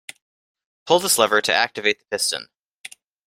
Pull this lever to activate the piston.